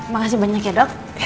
makasih banyak ya dok